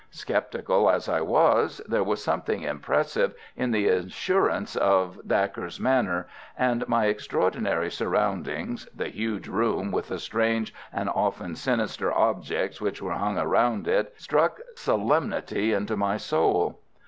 Sceptical as I was, there was something impressive in the assurance of Dacre's manner, and my extraordinary surroundings, the huge room with the strange and often sinister objects which were hung round it, struck solemnity into my soul.